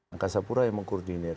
angkasa pura yang mengkoordinir